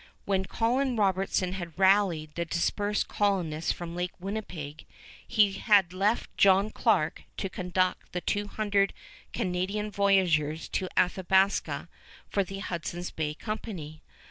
When Colin Robertson had rallied the dispersed colonists from Lake Winnipeg, he had left John Clarke to conduct the two hundred Canadian voyageurs to Athabasca for the Hudson's Bay Company.